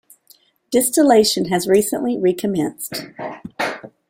Distillation has recently recommenced.